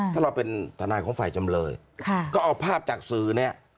ถ้าเราเป็นทนายของฝ่ายจำเลยก็เอาภาพจากสื่อเนี่ย